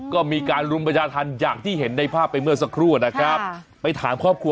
ก็มีการรุมประชาธารอย่างที่เห็นในภาพไปเมื่อสักครู่นะครับ